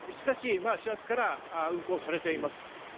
しかし始発から運行されています。